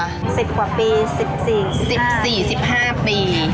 ๑๐กว่าปี๑๔๑๕ปี